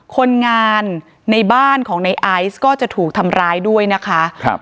คนงานในบ้านของในไอซ์ก็จะถูกทำร้ายด้วยนะคะครับ